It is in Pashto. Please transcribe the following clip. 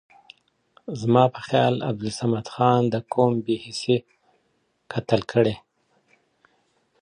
ج۔۔۔ زما په خیال عبدالصمدخان د قوم بې حسۍ قتل کړی۔